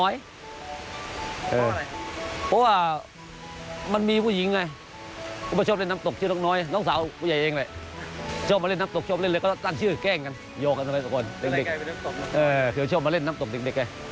โยกกันไปสมมุติเด็กคือชอบมาเล่นน้ำตกเด็กไงโดยต้อง